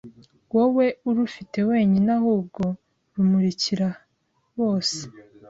wowe urufite wenyine ahubwo rumurikira bose,